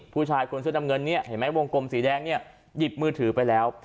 ผู้ชายคนเสื้อดำเงินเนี่ยเห็นไหมวงกลมสีแดงเนี่ยหยิบมือถือไปแล้ว